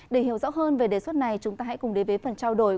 để hiểu rõ hơn về đề xuất này chúng ta hãy cùng đến với phần trao đổi